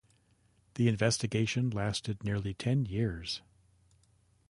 The investigation lasted nearly ten years.